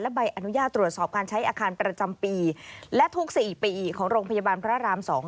ใบอนุญาตตรวจสอบการใช้อาคารประจำปีและทุก๔ปีของโรงพยาบาลพระราม๒